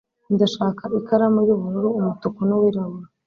Ndashaka ikaramu yubururu, umutuku nuwirabura.